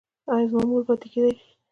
ایا زما مور پاتې کیدی شي؟